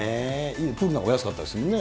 プールなんかお安かったですよね。